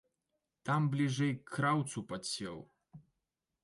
Там бліжэй к краўцу падсеў.